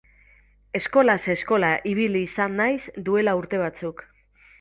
Eskolaz eskola ibili izan naiz duela urte batzuk.